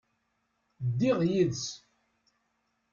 Ddiɣ yid-s.